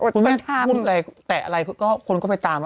อดทนตามคุณแม่นคุณแม่นพูดอะไรเตะอะไรก็คุณก็ไปตามะ